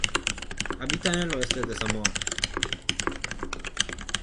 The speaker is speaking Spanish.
Habita en el oeste de Samoa.